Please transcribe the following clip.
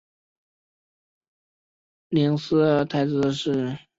灵斯泰兹是丹麦西兰大区的一座城市。